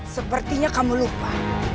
sepertinya kamu lupa